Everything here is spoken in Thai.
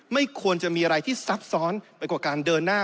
ไม่ควรจะมีอะไรที่ซับซ้อนไปกว่าการเดินหน้า